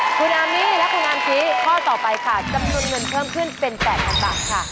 คุณอามี่และคุณอามซีข้อต่อไปค่ะจำนวนเงินเพิ่มขึ้นเป็น๘๐๐๐บาทค่ะ